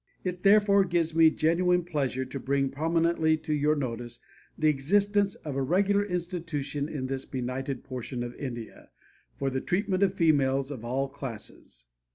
It therefore gives me genuine pleasure to bring prominently to your notice the existence of a regular institution in this benighted portion of India, for the treatment of females of all classes.